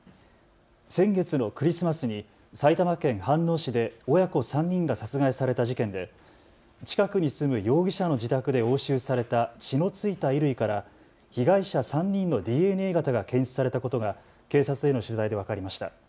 先月のクリスマスに埼玉県飯能市で親子３人が殺害された事件で近くに住む容疑者の自宅で押収された血の付いた衣類から被害者３人のＤＮＡ型が検出されたことが警察への取材で分かりました。